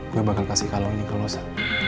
gue bakal kasih kalau ini ke rolosa